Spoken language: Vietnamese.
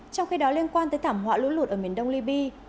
trong khi đó liên quan tới thảm họa lũ lụt ở miền đông libya